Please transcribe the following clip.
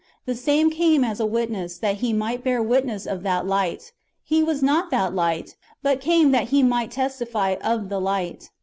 The same came as a witness, that he might bear witness of that Light. He was not that Light, but [came] that he might testify of the Light."